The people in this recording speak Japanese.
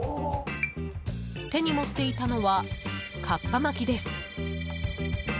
手に持っていたのはカッパ巻きです。